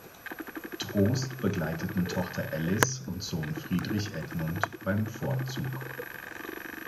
Troost begleiteten Tochter Alice und Sohn Friedrich Edmund beim Fortzug.